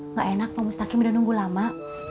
nggak enak pak mustaqim udah nunggu lama